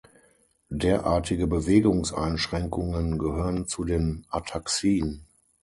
Derartige Bewegungseinschränkungen gehören zu den Ataxien.